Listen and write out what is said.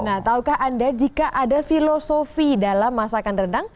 nah tahukah anda jika ada filosofi dalam masakan rendang